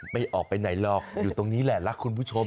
ไม่ออกไปไหนหรอกอยู่ตรงนี้แหละรักคุณผู้ชม